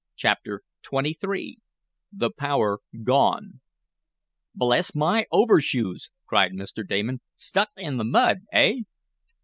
CHAPTER XXIII THE POWER GONE "Bless my overshoes!" cried Mr. Damon. "Stuck in the mud, eh?"